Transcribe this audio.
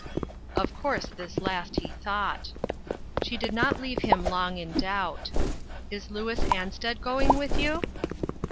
Of course this last he thought. She did not leave him long in doubt. "Is Louis Ansted going with you?"